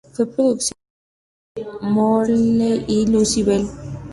Fue producido por Adam Moseley y Lucybell.